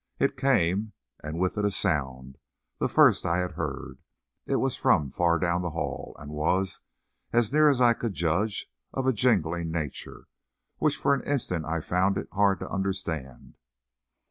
It came, and with it a sound the first I had heard. It was from far down the hall, and was, as near as I could judge, of a jingling nature, which for an instant I found it hard to understand.